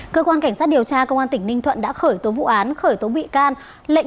cơ quan cảnh sát điều tra công an tỉnh ninh thuận đã khởi tố vụ án khởi tố bị can